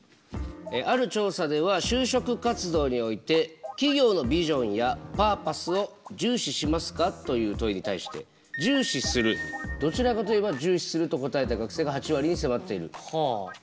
ある調査では「就職活動において企業のビジョンやパーパスを重視しますか？」という問いに対して「重視する」「どちらかと言えば重視する」と答えた学生が８割に迫っている。